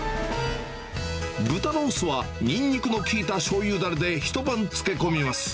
豚ロースはニンニクの効いたしょうゆだれで一晩漬け込みます。